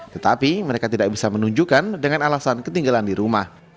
tetapi mereka tidak bisa menunjukkan dengan alasan ketinggalan di rumah